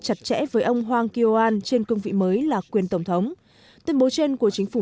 chặt chẽ với ông hwang kyo an trên cương vị mới là quyền tổng thống tuyên bố trên của chính phủ